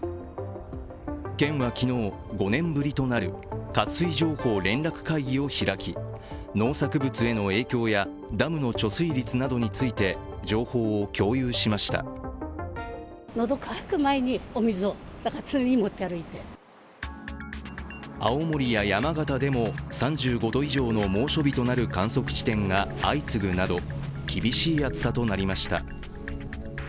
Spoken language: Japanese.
県は昨日、５年ぶりとなる渇水情報連絡会議を開き、農作物への影響やダムの貯水率などについて情報を共有しました青森や山形でも３５度以上の猛暑日となる観測地点が相次ぐなど厳しい暑さとなりました。